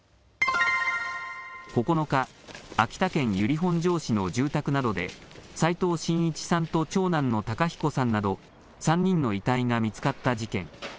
９日、秋田県由利本荘市の住宅などで齋藤真一さんと長男の孝彦さんなど３人の遺体が見つかった事件。